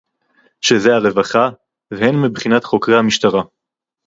שזה הרווחה, והן מבחינת חוקרי המשטרה